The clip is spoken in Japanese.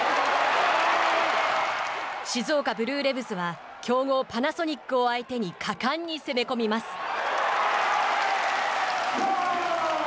静岡ブルーレヴズは強豪パナソニックを相手に果敢に攻め込みます。